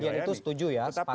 di bagian itu setuju ya sepakat ya